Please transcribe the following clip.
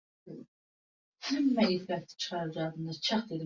• Afti ― odam, qalbi ― shayton.